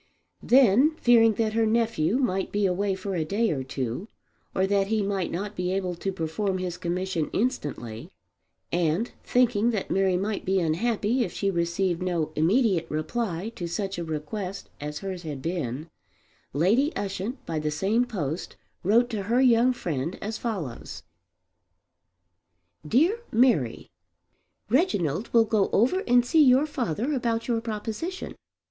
Then, fearing that her nephew might be away for a day or two, or that he might not be able to perform his commission instantly, and thinking that Mary might be unhappy if she received no immediate reply to such a request as hers had been, Lady Ushant by the same post wrote to her young friend as follows; DEAR MARY, Reginald will go over and see your father about your proposition.